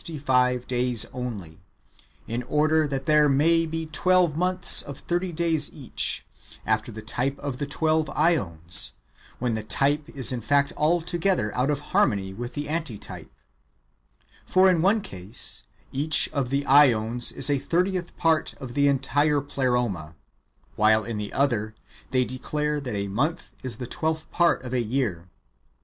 For who can concede to them that the year has three hundred and sixty five days only, in order that there may be twelve months of thirty days each, after the type of the twelve ^ons, when the type is in fact altogether out of har mony [with the antitype] ? For, in the one case, each of the ^ons is a thirtieth part of the entire Pleroma, while in the other they declare that a month is the twelfth part of a year.